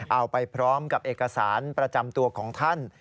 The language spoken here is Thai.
เอาไปพร้อมกับเอกสารประจำตัวของท่าน